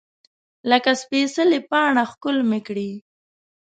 لکه سپیڅلې پاڼه ښکل مې کړې